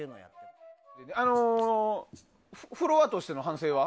フロアとしての反省は？